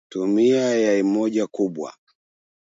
tumia yai moja kubwa